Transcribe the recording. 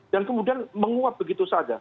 dan kemudian menguap begitu saja